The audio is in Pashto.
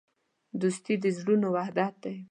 دوستي د زړونو وحدت دی.